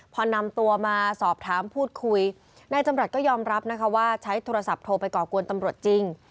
พอนำตัวมาสอบถามพูดคุยนายจำรัฐก็ยอมรับนะคะว่าใช้โทรศัพท์โทรไปก่อกวนตำรวจจริง